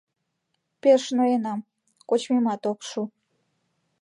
Пеш ноенам, кочмемат ок шу.